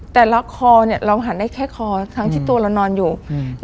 แต่ล็อกคอเนี้ยเราหันได้แค่คอทั้งที่ตัวเรานอนอยู่อืม